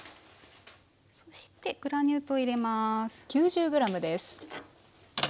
そしてグラニュー糖入れます。